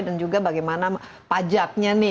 dan juga bagaimana pajaknya nih